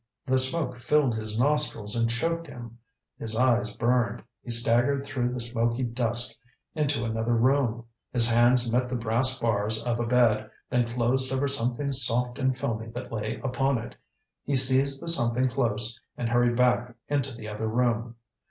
The smoke filled his nostrils and choked him. His eyes burned. He staggered through the smoky dusk into another room. His hands met the brass bars of a bed then closed over something soft and filmy that lay upon it. He seized the something close, and hurried back into the other room.